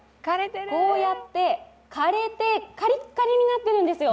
こうやって枯れて、カリッカリになっているんですよ。